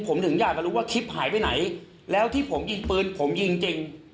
ผมถึงอยากมารู้ว่าคลิปหายไปไหนแล้วที่ผมยิงปืนผมยิงจริง